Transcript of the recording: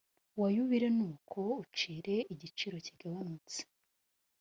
wa yubile nuko ucire igiciro kigabanutse